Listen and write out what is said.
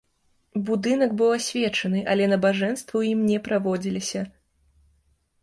Будынак быў асвечаны, але набажэнствы ў ім не праводзіліся.